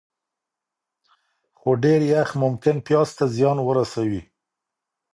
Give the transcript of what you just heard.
خو ډېر یخ ممکن پیاز ته زیان ورسوي.